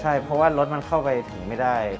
ใช่เพราะว่ารถมันเข้าไปถึงไม่ได้